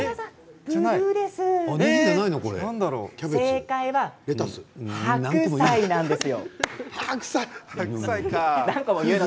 正解は白菜なんです。